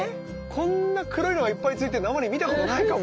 こんな黒いのがいっぱいついてるのあんまり見たことないかも。